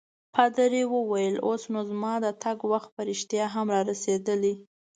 پادري وویل: اوس نو زما د تګ وخت په رښتیا هم رارسیدلی.